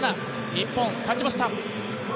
日本、勝ちました。